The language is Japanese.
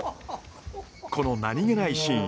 この何気ないシーン。